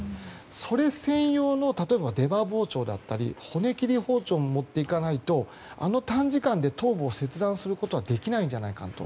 それ専用の、例えば出刃包丁だったり骨切り包丁を持って行かないとあの短時間で頭部を切断することはできないんじゃないかと。